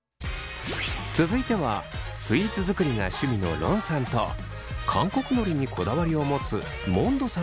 続いてはスイーツ作りが趣味のロンさんと韓国のりにこだわりを持つモンドさんのペア。